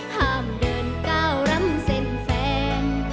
ห้ามเดินก้าวร้ำเส้นแฟน